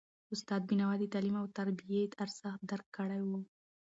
استاد بینوا د تعلیم او تربیې ارزښت درک کړی و.